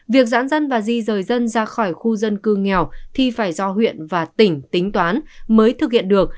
việc giãn dân và di rời dân ra khỏi khu dân cư nghèo thì phải do huyện và tỉnh tính toán mới thực hiện được